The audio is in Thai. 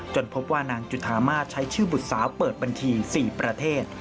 พบว่านางจุธามาใช้ชื่อบุตรสาวเปิดบัญชี๔ประเทศ